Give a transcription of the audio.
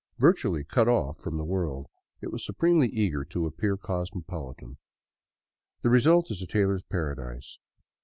Virtually cut off from the world, it was supremely eager to appear cosmopolitan. The result is a tailor's paradise.